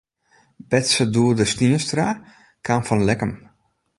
Betze Doede Stienstra kaam fan Lekkum.